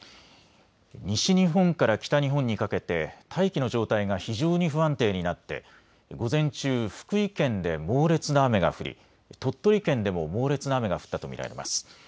西日本から北日本にかけて大気の状態が非常に不安定になって午前中、福井県で猛烈な雨が降り、鳥取県でも猛烈な雨が降ったと見られます。